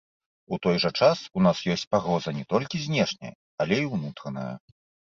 У той жа час у нас ёсць пагроза не толькі знешняя, але і ўнутраная.